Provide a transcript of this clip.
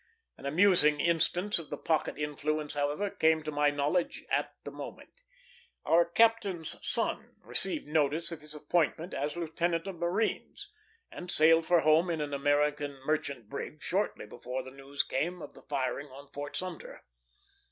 An amusing instance of the pocket influence, however, came to my knowledge at the moment. Our captain's son received notice of his appointment as lieutenant of marines, and sailed for home in an American merchant brig shortly before the news came of the firing on Fort Sumter.